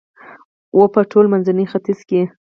و په ټول منځني ختیځ کې